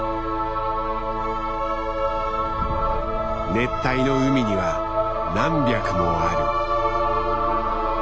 熱帯の海には何百もある。